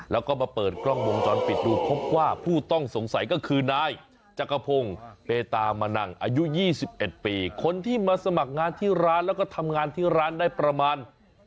แล้วก็มาเปิดกล้องวงจรปิดดูพบว่าผู้ต้องสงสัยก็คือนายจักรพงศ์เพตามนังอายุ๒๑ปีคนที่มาสมัครงานที่ร้านแล้วก็ทำงานที่ร้านได้ประมาณ